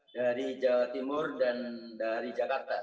dari jawa timur dan dari jakarta